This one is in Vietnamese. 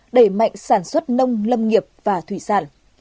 đẩy mạnh sản xuất nông lâm nghiệp và thủy sản